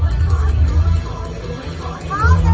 มันเป็นเมื่อไหร่แล้ว